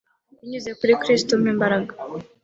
Binyuze kuri Kristo umpa imbaraga